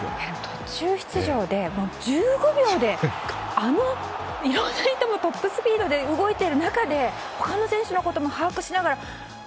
途中出場で１５秒でいろんな人もトップスピードで動いている中で他の選手のことも把握しながら。